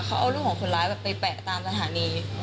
เขาเอารูปของคนร้ายไปแปะตามสถานี